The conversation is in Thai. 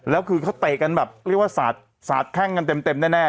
แล้วคือเขาเตะกันแบบเรียกว่าสาดแข้งกันเต็มแน่